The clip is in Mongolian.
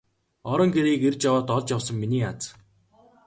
Орон гэрийг эрж яваад олж явсан миний аз.